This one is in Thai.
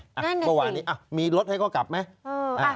ในบังกลัวว่านี้มีรถให้เขากลับไหม